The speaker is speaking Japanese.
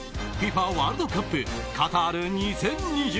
ワールドカップカタール２０２２。